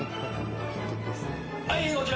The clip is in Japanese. はいこちら。